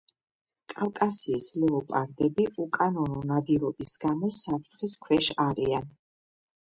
კავკასიის ლეოპარდები უკანონო ნადირობის გამო საფრთხის ქვეშ არიან.